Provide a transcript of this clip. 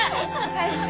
返して。